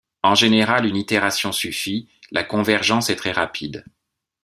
En général une itération suffit, la convergence est très rapide.